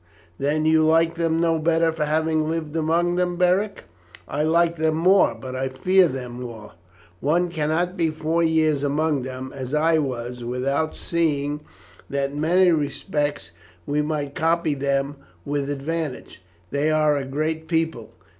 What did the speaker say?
"Then you like them no better for having lived among them, Beric?" "I like them more, but I fear them more. One cannot be four years among them, as I was, without seeing that in many respects we might copy them with advantage. They are a great people.